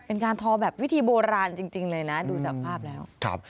เป็นการทอแบบวิธีโบราณจริงเลยนะดูจากภาพแล้ว